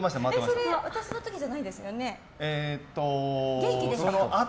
それ私の時じゃないですよね？